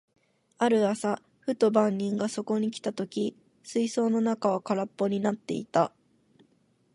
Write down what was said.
ある朝、ふと番人がそこに来た時、水槽の中は空っぽになっていた。